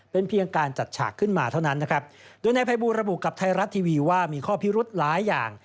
เป็นเพียงการจัดฉากขึ้นมาเท่านั้นนะครับโดยนายภัยบูลระบุกับไทยรัฐทีวีว่ามีข้อพิรุธหลายอย่าง